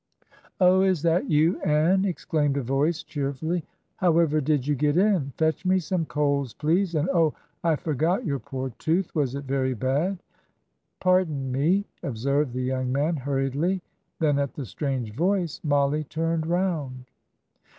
"Oh, is that you, Ann!" exclaimed a voice, cheerfully. "However did you get in? Fetch me some coals, please. And oh, I forgot your poor tooth. Was it very bad?" "Pardon me," observed the young man, hurriedly. Then, at the strange voice, Mollie turned round.